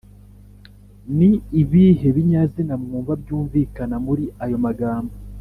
ni ibihe binyazina mwumva byumvikana muri ayo magambo?